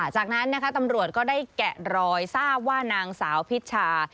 จากนั้นนะคะตำรวจก็ได้แกะรอยทราบว่านางสาวพิชชา